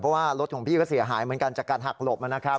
เพราะว่ารถของพี่ก็เสียหายเหมือนกันจากการหักหลบนะครับ